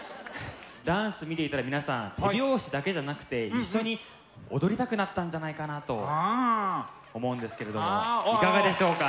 ダンス見ていたら皆さん手拍子だけじゃなくて一緒に踊りたくなったんじゃないかなと思うんですけれどもいかがでしょうか？